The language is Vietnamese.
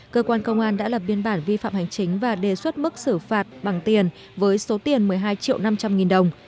cơ quan công an đã lập biên bản vi phạm hành chính và đề xuất mức xử phạt bằng tiền với số tiền một mươi hai triệu năm trăm linh nghìn đồng